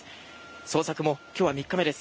捜索も今日は３日目です。